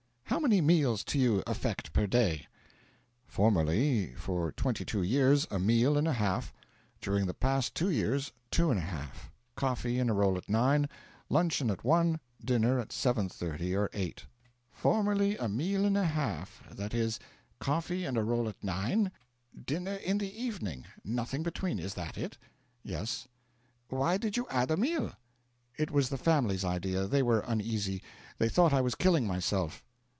How many meals to you affect per day?' 'Formerly for twenty two years a meal and a half; during the past two years, two and a half: coffee and a roll at 9, luncheon at 1, dinner at 7.30 or 8.' 'Formerly a meal and a half that is, coffee and a roll at 9, dinner in the evening, nothing between is that it? 'Yes.' 'Why did you add a meal?' 'It was the family's idea. They were uneasy. They thought I was killing myself.'